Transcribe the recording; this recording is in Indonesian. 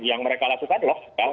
yang mereka langsung adalah